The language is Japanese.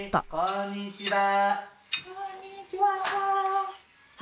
こんにちは。